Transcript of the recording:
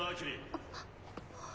あっ。